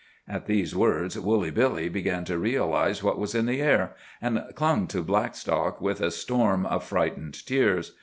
(At these words Woolly Billy began to realize what was in the air, and clung to Blackstock with a storm of frightened tears.)